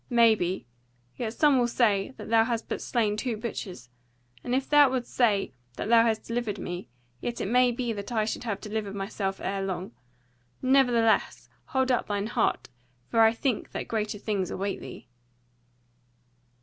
Maybe. Yet some will say that thou hast but slain two butchers: and if thou wilt say that thou hast delivered me; yet it may be that I should have delivered myself ere long. Nevertheless hold up thine heart, for I think that greater things await thee."